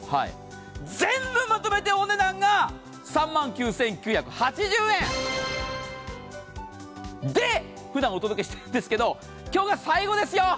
全部まとめてお値段が３万９９８０円で、ふだんお届けしてるんですけど今日が最後ですよ。